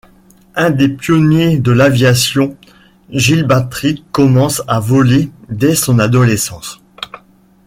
Un des pionniers de l'aviation, Gilpatric commence à voler dès son adolescence.